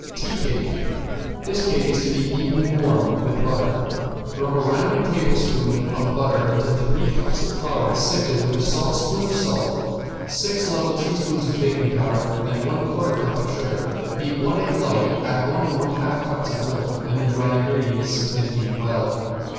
~TEA CAKE~ This cake is to be eaten warm with butter. Rub a rounding tablespoon of butter into three cups of flour sifted with a saltspoon of salt, six level teaspoons of baking powder and one quarter cup of sugar. Beat one egg light, add one and one half cups of milk and the dry ingredients and beat well.